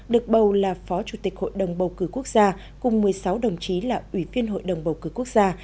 được bầu là phó chủ tịch hội đồng bầu cử quốc gia cùng một mươi sáu đồng chí là ủy viên hội đồng bầu cử quốc gia